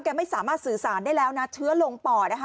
แกไม่สามารถสื่อสารได้แล้วเชื้อลงปอด